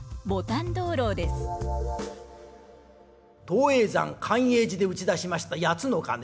東叡山寛永寺で打ち出しました八つの鐘。